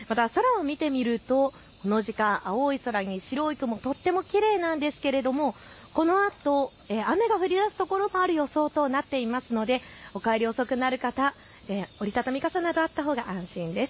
また空を見てみるとこの時間、青い空に白い雲、とってもきれいですが、このあと雨が降りだす所もある予想となっていますのでお帰り遅くなる方、折り畳み傘などあったほうが安心です。